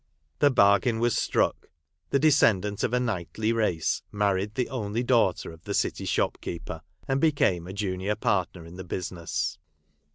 The bargain was struck ; the descendant of a knightly race married the only daughter of the City shopkeeper, and became a junior partner in the business.